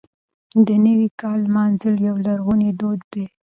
د نوي کال لمانځل یو لرغونی دود دی.